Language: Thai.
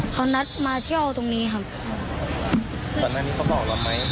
เขานัดมาเที่ยวตรงนี้ครับก่อนหน้านี้เขาบอกเราไหม